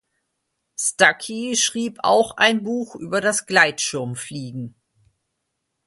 Stucky schrieb auch ein Buch über das Gleitschirmfliegen.